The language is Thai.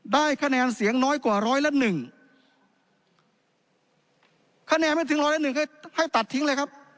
ได้คะแนนเสียงน้อยกว่าร้อยละหนึ่งคะแนนไม่ถึงร้อยละหนึ่งก็ให้ตัดทิ้งเลยครับ